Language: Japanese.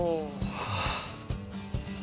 はあ。